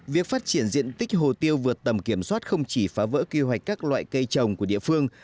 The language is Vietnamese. việc phát triển diện tích hồ tiêu vượt tầm kiểm soát không chỉ phá vỡ kế hoạch các loại cây trồng của địa phương